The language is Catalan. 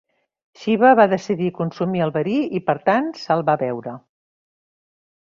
Shiva va decidir consumir el verí i, per tant, se'l va beure.